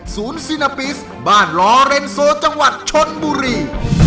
ซีนาปิสบ้านลอเรนโซจังหวัดชนบุรี